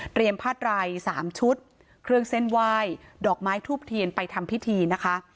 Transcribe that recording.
เตรียมผ้าดราย๓ชุดเครื่องเส้นวายดอกไม้ทูบเทียนไปทำพิธีนะคะ